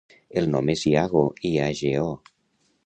El nom és Iago: i, a, ge, o.